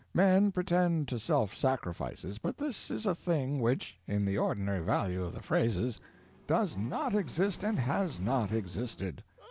Men pretend to self sacrifices, but this is a thing which, in the ordinary value of the phrase, does not exist and has not existed.